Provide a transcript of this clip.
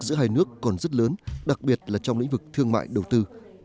giữa hai nước còn rất lớn đặc biệt là trong lĩnh vực thương mại đầu tư